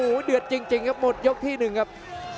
โอ้โหเดือดจริงครับหมดยกที่หนึ่งครับ